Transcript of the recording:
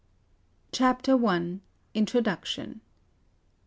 CHAPTER I. INTRODUCTION.